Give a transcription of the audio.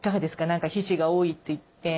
何か皮脂が多いといって。